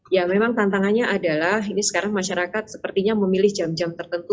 ya memang tantangannya adalah ini sekarang masyarakat sepertinya memilih jam jam tertentu